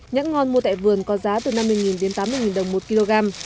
nhãn ngon mua tại vườn có giá từ năm mươi đến tám mươi đồng một kg